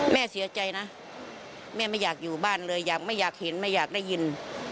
แม่เสียใจนะแม่ไม่อยากอยู่บ้านเลยอยากไม่อยากเห็นไม่อยากได้ยิน